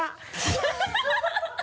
ハハハ